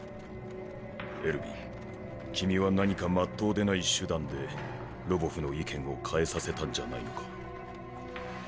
エルヴィン君は何かまっとうでない手段でロヴォフの意見を変えさせたんじゃないのか？